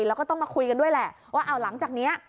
แล้วก็ต้องมาคุยกันด้วยแหละว่าเอาหลังจากนี้